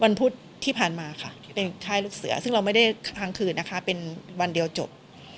พุธที่ผ่านมาค่ะที่เป็นค่ายลูกเสือซึ่งเราไม่ได้ครั้งคืนนะคะเป็นวันเดียวจบ